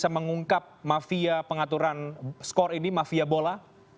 mengungkap mafia pengaturan skor ini mafia bola